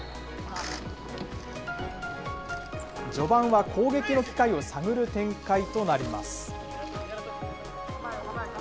序盤は攻撃の機会を探る展開となります。